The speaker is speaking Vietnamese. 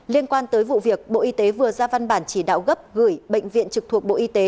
liên quan tới vụ việc bộ y tế vừa ra văn bản chỉ đạo gấp gửi bệnh viện trực thuộc bộ y tế